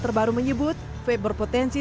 terbaru menyebut vape berpotensi